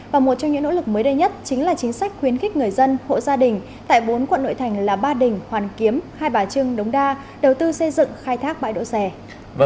và một trong những nỗ lực mới đây nhất chính là chính sách khuyến khích người dân hộ gia đình tại bốn quận nội thành là ba đình hoàn kiếm hai bà trưng đống đa đầu tư xây dựng khai thác bãi đỗ xe